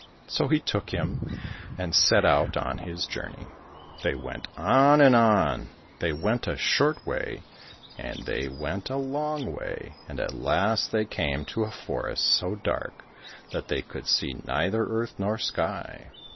So he took him and set out on his journey. They went on and on, they went a short way and tix ^ went a long way, and at last they came to a forest so dark that they could see neither earth nor sky.